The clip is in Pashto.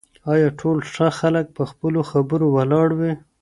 آیا ټول ښه خلک په خپلو خبرو ولاړ وي؟